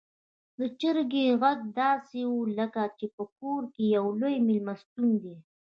د چرګې غږ داسې و لکه چې په کور کې يو لوی میلمستون دی.